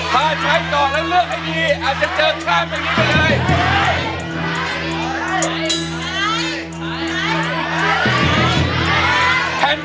ถ้าใช้ต่อแล้วเลือกให้ดีอาจจะเจอข้ามเพลงนี้ไปเลย